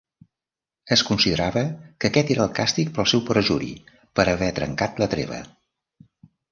Es considerava que aquest era el càstig pel seu perjuri, per haver trencat la treva.